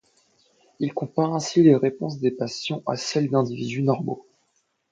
Il compare ainsi les réponses des patients à celles d'individus normaux.